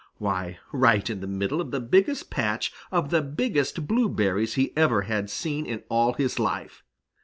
Why, right in the middle of the biggest patch of the biggest blueberries he ever had seen in all his life!